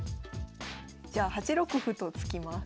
じゃあ８六歩と突きます。